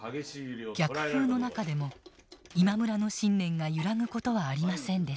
逆風の中でも今村の信念が揺らぐ事はありませんでした。